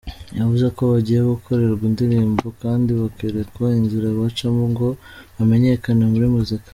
Yavuze ko bagiye gukorerwa indirimbo kandi bakerekwa inzira bacamo ngo bamenyekane muri muzika.